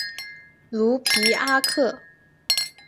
卢皮阿克。